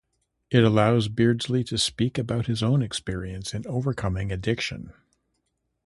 It allows Beardsley to speak about his own experience in overcoming addiction.